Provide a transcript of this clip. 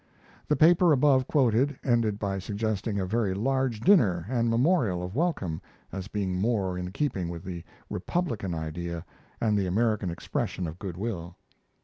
The paper above quoted ended by suggesting a very large dinner and memorial of welcome as being more in keeping with the republican idea and the American expression of good will.